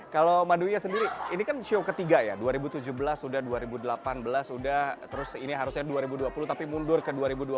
kalau maduya sendiri ini kan show ketiga ya dua ribu tujuh belas sudah dua ribu delapan belas sudah terus ini harusnya dua ribu dua puluh tapi mundur ke dua ribu dua puluh